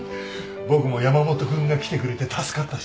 僕も山本君が来てくれて助かったし。